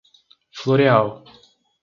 Floreal